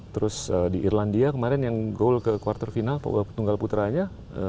terus di irlandia kemarin yang goal ke quarter final tunggal putranya